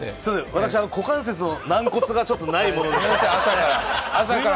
私、股関節の軟骨がちょっとないもんですから。